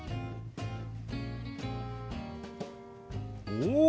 お！